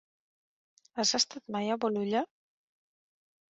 Has estat mai a Bolulla?